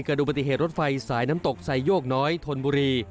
เกิดอุบัติเหตุรถไฟสายน้ำตกใส่โยกน้อยทนบุรี